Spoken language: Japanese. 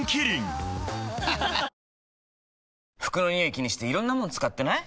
気にしていろんなもの使ってない？